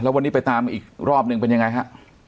วันนี้ไปตามอีกรอบนึงเป็นยังไงฮะ